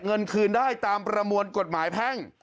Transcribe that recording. เงินคืนได้ตามประมวลกฎหมายแพ่ง